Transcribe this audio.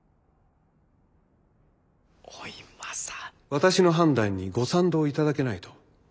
私の判断にご賛同頂けないと？